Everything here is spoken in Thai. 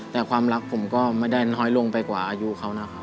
แต่ความรักผมก็ไม่ได้น้อยลงไปกว่าอายุเขานะครับ